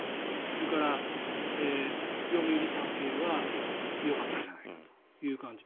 それから読売、産経はよかったじゃないかという感じ。